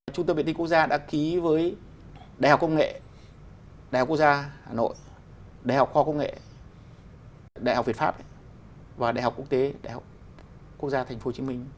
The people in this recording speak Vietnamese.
trung tâm viện tinh quốc gia đã ký với đại học công nghệ đại học quốc gia hà nội đại học khoa học công nghệ đại học việt pháp và đại học quốc tế đại học quốc gia tp hcm